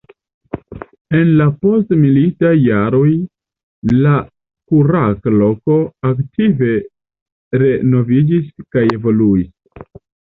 En la postmilitaj jaroj la kurac-loko aktive renoviĝis kaj evoluis.